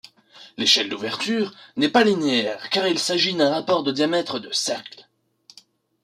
L'échelle d'ouverture n'est pas linéaire car il s'agit d'un rapport de diamètres de cercles.